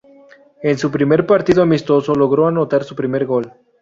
En su primer partido amistoso logró anotar su primer gol.